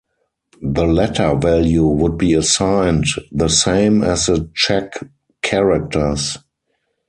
The letter value would be assigned the same as the check character's.